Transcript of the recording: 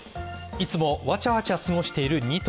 いつも、わちゃわちゃ過ごしている２頭。